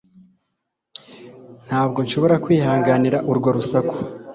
Ntabwo nshobora kwihanganira urwo rusaku.